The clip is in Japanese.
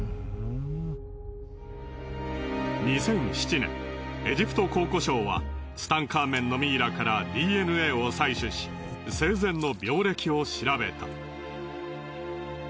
２００７年エジプト考古省はツタンカーメンのミイラからＤＮＡを採取し生前の病歴を調べた。